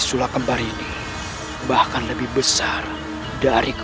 sudah kumalukan pemuda murom